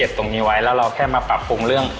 เร็วเราแค่มาปรับภูมิเรื่อง